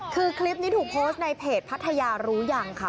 คือคลิปนี้ถูกโพสต์ในเพจพัทยารู้ยังค่ะ